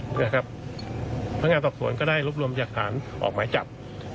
พนักงานสอบสวนก็ได้รวบรวมจากฐานออกหมายจับ